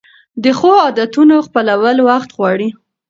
د ښو عادتونو خپلول وخت غواړي.